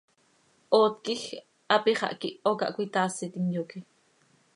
Oot quij hapi xah quiho cah cöitaasitim, yoque.